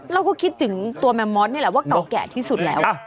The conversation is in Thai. เราก็คิดถึงตัวแมมมอสนี่แหละว่าเก่าแก่ที่สุดแล้ว